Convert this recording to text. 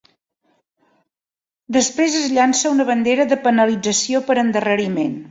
Després es llança una bandera de penalització per endarreriment.